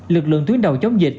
lực lượng tuyến đầu chống dịch